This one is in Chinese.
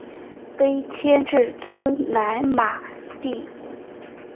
碑迁址村南马地。